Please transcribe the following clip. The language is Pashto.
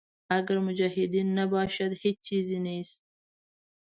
اګر مجاهدین نباشد هېچ چیز نیست.